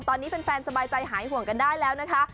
ตอนนี้แฟนสบายใจหายห่วงกันได้แล้วนะคะ